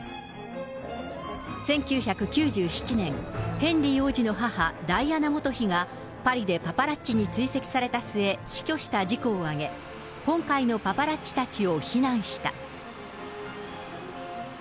１９９７年、ヘンリー王子の母、ダイアナ元妃がパリでパパラッチに追跡された末、死去した事故を挙げ、今回のパパラッチたちを非難した。